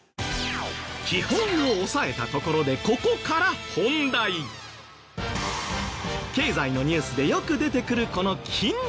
基本を押さえたところで経済のニュースでよく出てくるこの「金利」。